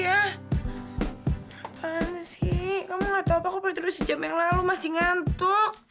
apaan sih kamu ga tau apa aku berduduk sejam yang lalu masih ngantuk